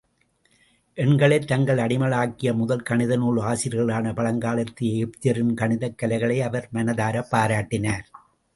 எண்களைத் தங்கள் அடிமைகளாக்கிய முதல் கணிதநூல் ஆசிரியர்களான பழங்காலத்து எகிப்தியர்களின் கணிதக் கலைகளை அவர் மனதாரப் பாராட்டினார்.